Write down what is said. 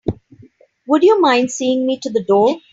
Would you mind seeing me to the door?